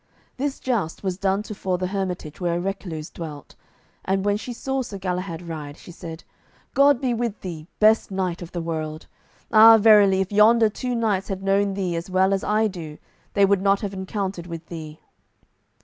This joust was done tofore the hermitage where a recluse dwelt, and, when she saw Sir Galahad ride, she said, "God be with thee, best knight of the world. Ah, verily, if yonder two knights had known thee as well as I do, they would not have encountered with thee."